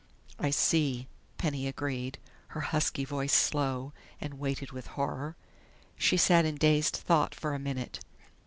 "I see," Penny agreed, her husky voice slow and weighted with horror. She sat in dazed thought for a minute.